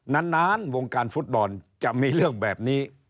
นานวงการฟุตบอลจะมีเรื่องแบบนี้